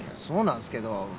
そうなんすけど。